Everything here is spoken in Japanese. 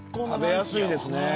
食べやすいですね。